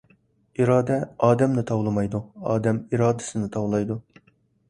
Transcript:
ئىرادە ئادەمنى تاۋلىمايدۇ، ئادەم ئىرادىسىنى تاۋلايدۇ!